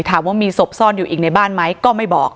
ถามว่ามีศพซ่อนอยู่อีกในบ้านไหมก็ไม่บอก